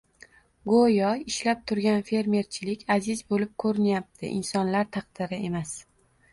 go‘yo «ishlab turgan» fermerchilik aziz bo‘lib ko‘rinyapti, insonlar taqdiri emas.